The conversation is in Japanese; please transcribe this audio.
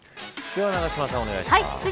では永島さん、お願いします。